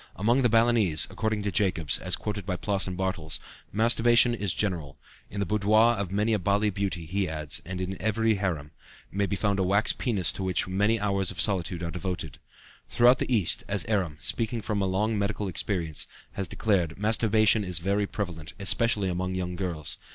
Among the Balinese, according to Jacobs (as quoted by Ploss and Bartels), masturbation is general; in the boudoir of many a Bali beauty, he adds, and certainly in every harem, may be found a wax penis to which many hours of solitude are devoted. Throughout the East, as Eram, speaking from a long medical experience, has declared, masturbation is very prevalent, especially among young girls.